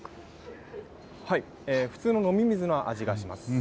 普通の飲み水の味がします。